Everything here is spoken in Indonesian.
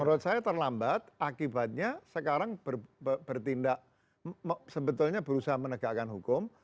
menurut saya terlambat akibatnya sekarang bertindak sebetulnya berusaha menegakkan hukum